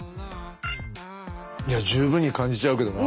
いや十分に感じちゃうけどな。